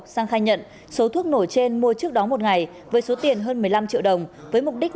sang khai nhận số thuốc nổ trên mua trước đó một ngày với số tiền hơn một mươi năm triệu đồng với mục đích